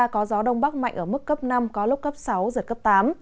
có gió đông bắc mạnh ở mức cấp năm có lúc cấp sáu giật cấp tám